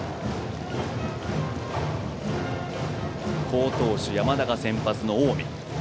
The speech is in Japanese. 好投手、山田が先発の近江。